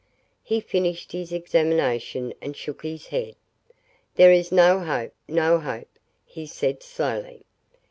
He finished his examination and shook his head. "There is no hope no hope," he said slowly.